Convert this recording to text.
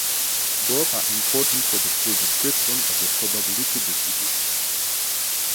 Both are important for the full description of the probability distribution.